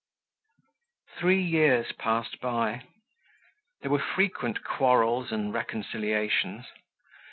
Three years passed by. There were frequent quarrels and reconciliations.